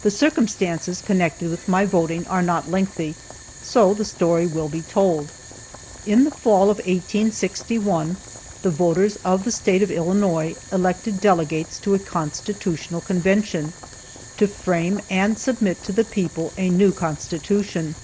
The circumstances connected with my voting are not lengthy, so the story will be told. In the fall of 1861 the voters of the state of Illinois elected delegates to a Constitutional Convention, to frame and submit to the people a new Constitution.